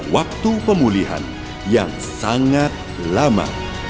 waktu pemulihan yang sangat lama